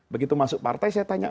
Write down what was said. begitu masuk partai saya tanya